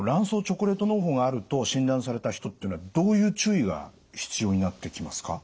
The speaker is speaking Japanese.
チョコレートのう胞があると診断された人っていうのはどういう注意が必要になってきますか？